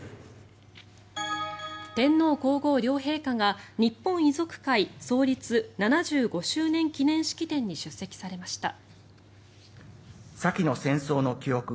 天皇・皇后両陛下が日本遺族会創立７５周年記念式典に出席されました。